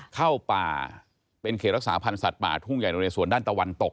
เข้าป่าเป็นเขตรักษาพันธ์สัตว์ป่าทุ่งใหญ่นเรสวนด้านตะวันตก